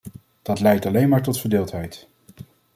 Dat leidt alleen maar tot verdeeldheid.